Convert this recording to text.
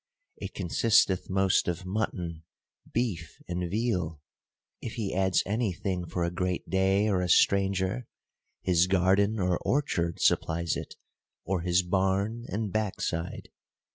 It consisteth most of mutton, beef, and veal ; if he adds any thing for a great day or a stranger, his garden or orchard supplies it, or his barn, and backside.